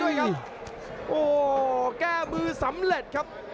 โอ้ยยยยแก้มือสำเร็จครับ